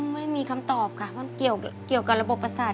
ไม่มีคำตอบค่ะมันเกี่ยวกับระบบประสาท